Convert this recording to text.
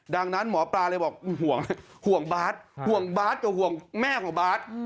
ดังนั้นหมอปลาเลยบอกห่วงบาทห่วงบาทกับห่วงแม่ของบาท